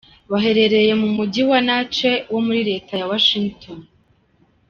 Baherereye mu Mujyi wa Wenatchee wo muri Leta ya Washington.